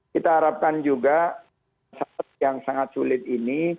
kita harapkan juga saat yang sangat sulit ini